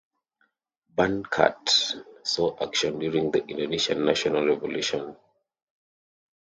"Banckert" saw action during the Indonesian National Revolution.